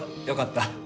よかった。